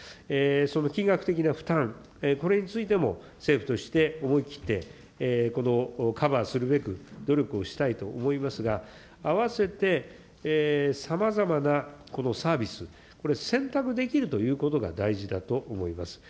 その金額的な負担、これについても政府として思い切って、このカバーするべく、努力をしたいと思いますが、併せてさまざまなこのサービス、これ、選択できるということが大事だと思います。